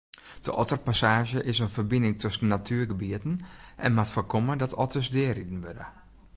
De otterpassaazje is in ferbining tusken natuergebieten en moat foarkomme dat otters deariden wurde.